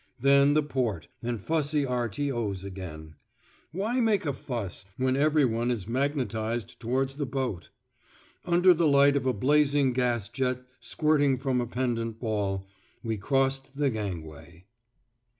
Then the port, and fussy R.T.O's again. Why make a fuss, when everyone is magnetised towards the boat? Under the light of a blazing gas jet squirting from a pendant ball, we crossed the gangway.